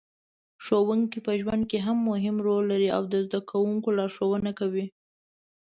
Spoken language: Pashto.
ښوونکې په ژوند کې مهم رول لري او د زده کوونکو لارښوونه کوي.